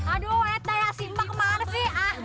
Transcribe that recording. aduh wajah si ma kemana sih ah